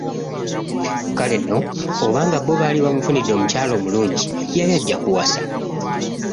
Kale nno oba nga bo baali bamufunidde omukyala omulungi yali ajja kuwasa.